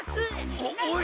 おおい！